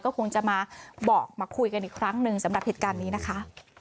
คงจะมาบอกมาคุยกันอีกครั้งหนึ่งสำหรับเหตุการณ์นี้นะคะ